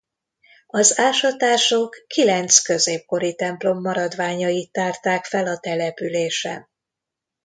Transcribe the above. Az ásatások kilenc középkori templom maradványait tárták fel a településen.